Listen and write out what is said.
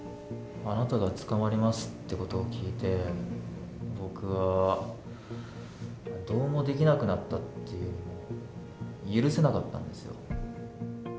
あなたが捕まりますっていうことを聞いて、僕は、どうもできなくなったっていうより、許せなかったんですよ。